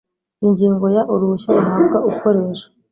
Ingingo ya Uruhushya ruhabwa ukoresha